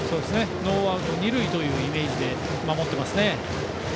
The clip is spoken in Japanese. ノーアウト、二塁というイメージで守っていますね。